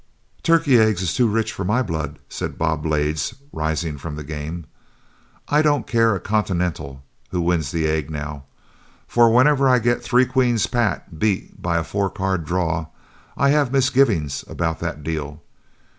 "Turkey eggs is too rich for my blood," said Bob Blades, rising from the game. "I don't care a continental who wins the egg now, for whenever I get three queens pat beat by a four card draw, I have misgivings about the deal.